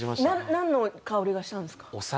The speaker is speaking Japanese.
なんの香りがしたんですか？